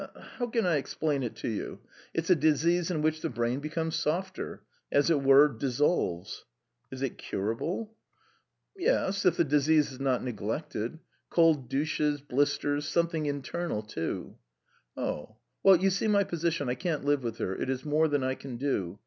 "How can I explain it to you? ... It's a disease in which the brain becomes softer ... as it were, dissolves." "Is it curable?" "Yes, if the disease is not neglected. Cold douches, blisters. ... Something internal, too." "Oh! ... Well, you see my position; I can't live with her: it is more than I can do.